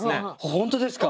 本当ですか？